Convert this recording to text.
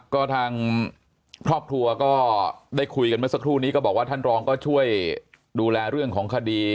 ก็ทางครอบครัวก็ได้คุยกันเมื่อสักครู่นี้ก็บอกว่าท่านรองก็ช่วยดูแลเรื่องของคดี